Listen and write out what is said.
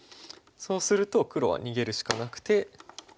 そうすると黒は逃げるしかなくて。